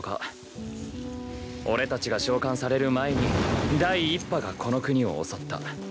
俺たちが召喚される前に第一波がこの国を襲った。